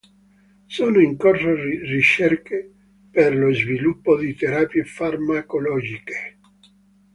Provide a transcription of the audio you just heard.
Sono in corso ricerche per lo sviluppo di terapie farmacologiche.